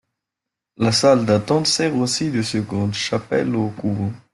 La salle d'attente sert aussi de seconde chapelle au couvent.